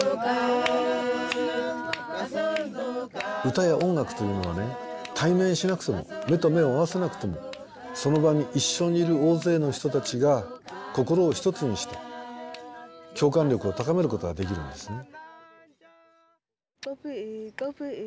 歌や音楽というのは対面しなくても目と目を合わせなくてもその場に一緒にいる大勢の人たちが心を一つにして共感力を高めることができるんですね。